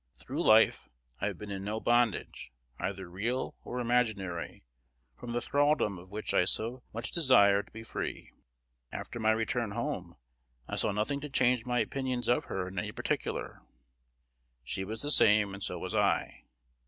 Through life, I have been in no bondage, either real or imaginary, from the thraldom of which I so much desired to be free. After my return home, I saw nothing to change my opinions of her in any particular. She was the same, and so was I.